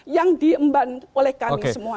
yang diembang oleh kita